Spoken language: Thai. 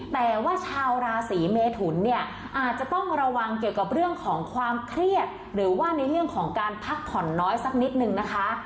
แต่ว่าชาวราศีเมทุนเนี่ยอาจจะต้องระวังเกี่ยวกับเรื่องของความเครียดหรือว่าในเรื่องของการพักผ่อนน้อยสักนิดนึงนะคะ